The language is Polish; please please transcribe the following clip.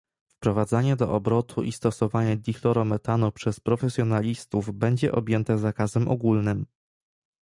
Wprowadzanie do obrotu i stosowanie dichlorometanu przez profesjonalistów będzie objęte zakazem ogólnym